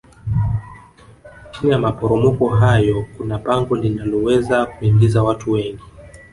chini ya maporomoko hayo kuna pango linaloweza kuingiza watu wengi